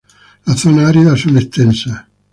Las zonas áridas son extensas.